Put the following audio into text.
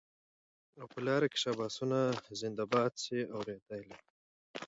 او په لار کي شاباسونه زنده باد سې اورېدلای